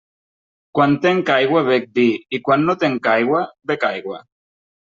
Quan tenc aigua bec vi, i quan no tenc aigua bec aigua.